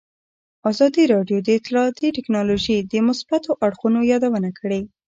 ازادي راډیو د اطلاعاتی تکنالوژي د مثبتو اړخونو یادونه کړې.